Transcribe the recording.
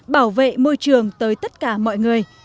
bảo vệ môi trường tới tất cả mọi người